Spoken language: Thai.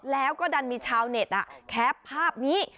แล้วก็ดันมีชาวเน็ตแคปภาพนี้